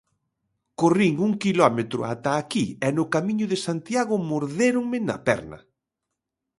Corrín un quilómetro ata aquí e no Camiño de Santiago mordéronme na perna.